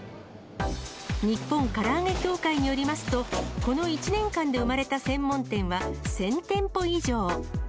日本唐揚協会によりますと、この１年間で生まれた専門店は１０００店舗以上。